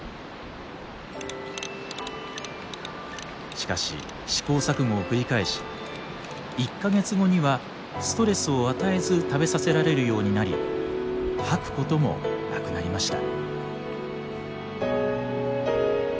しかし試行錯誤を繰り返し１か月後にはストレスを与えず食べさせられるようになり吐くこともなくなりました。